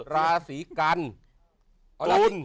ลาศีกันตุล